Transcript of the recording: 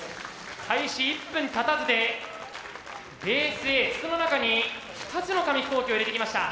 開始１分たたずでベースＡ筒の中に２つの紙飛行機を入れてきました。